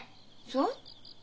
そう？